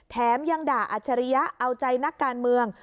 แถมยังด่าอัจฉริยะเอาใจนักการเมือง